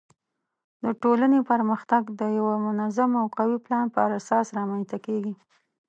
د ټولنې پرمختګ د یوه منظم او قوي پلان پر اساس رامنځته کیږي.